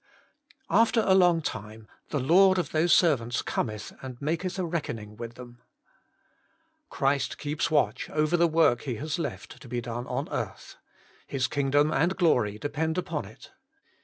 'After a long time the lord of those serv ants Cometh and inakcth a reckoning with them* Christ keeps watch over the work He has left to be done on earth ; His king dom and glory depend upon it.